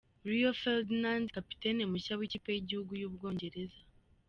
Rio Ferdinand, Kapitene mushya w'ikipe y'igihugu y'u Bwongereza.